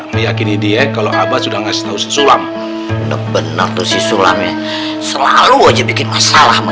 meyakini dia kalau abah sudah ngasih tau si sulam bener tuh si sulamnya selalu aja bikin masalah sama